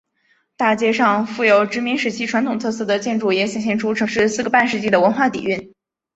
大街上富有殖民时期传统特色的建筑也显现出城市四个半世纪的文化底蕴。